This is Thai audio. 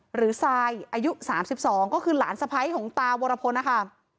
ทรายอายุ๓๒ก็คือหลานสะพ้ายของตาวรพลนะคะ